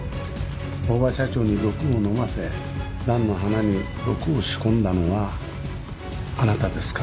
大庭社長に毒を飲ませ蘭の花に毒を仕込んだのはあなたですか？